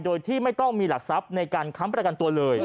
โดยที่ไม่ต้องมีหลักทรัพย์ในการค้ำประกันตัวเลย